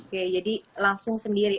oke jadi langsung sendiri